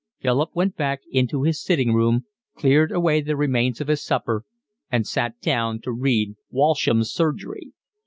Philip went back into his sitting room, cleared away the remains of his supper, and sat down to read Walsham's Surgery.